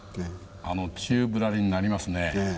宙ぶらりんになりますね。